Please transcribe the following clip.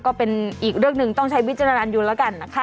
ก็เป็นอีกเรื่องหนึ่งต้องใช้วิจารณญาณแล้วกันนะคะ